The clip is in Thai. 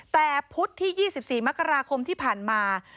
แต่พุธที่๒๔มกราคมที่ผ่านมา